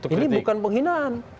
ini bukan penghinaan